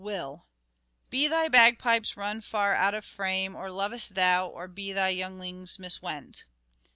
Will : Be thy bagpipes run far out of frame ? Or lovest thou, or be thy younglings miswent